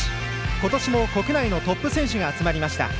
今年も国内のトップ選手が集まりました。